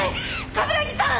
冠城さん！